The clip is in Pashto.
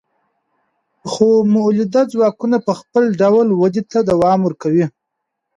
خو مؤلده ځواکونه په خپل ډول ودې ته دوام ورکوي.